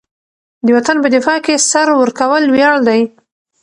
د وطن په دفاع کې سر ورکول ویاړ دی.